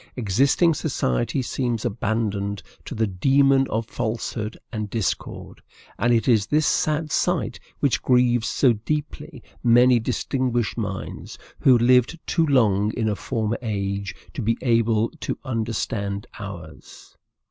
Existing society seems abandoned to the demon of falsehood and discord; and it is this sad sight which grieves so deeply many distinguished minds who lived too long in a former age to be able to understand ours.